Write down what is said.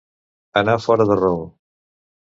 Anar fora de raó.